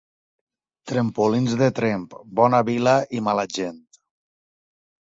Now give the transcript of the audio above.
Trempolins de Tremp: bona vila i mala gent.